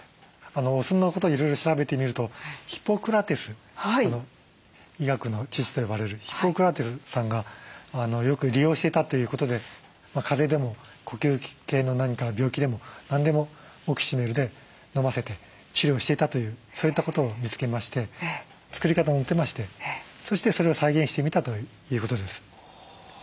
お酢のこといろいろ調べてみるとヒポクラテス医学の父と呼ばれるヒポクラテスさんがよく利用してたということで風邪でも呼吸器系の何か病気でも何でもオキシメルで飲ませて治療していたというそういったことを見つけまして作り方載ってましてそしてそれを再現してみたということです。